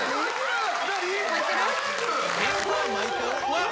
わっ。